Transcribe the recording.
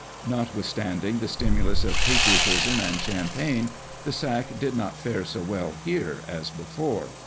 Notwithstanding the stimulus of patriotism and champagne, the sack did not fare so well here as before.